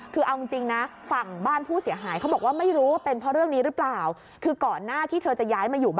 คือเอาจริงนะฝั่งบ้านผู้เสียหาย